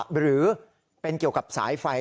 หรือเป็นเกี่ยวกับสายไฟ